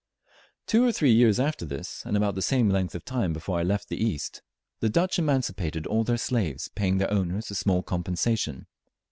Two or three years after this, and about the same length of time before I left the East, the Dutch emancipated all their slaves, paying their owners a small compensation.